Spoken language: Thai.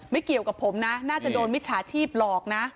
เกี่ยวกับผมนะน่าจะโดนมิจฉาชีพหลอกนะ